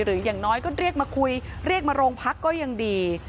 อย่างน้อยก็เรียกมาคุยเรียกมาโรงพักก็ยังดี